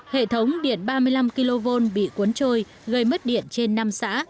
hệ thống điện ba mươi năm kv bị cuốn trôi gây mất điện trên năm xã